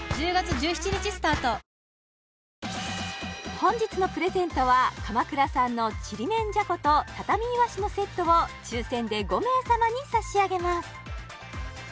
本日のプレゼントは鎌倉産のちりめんじゃことたたみいわしのセットを抽選で５名様に差し上げます